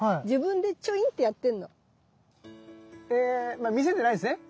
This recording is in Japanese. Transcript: まあ見せてないんですね。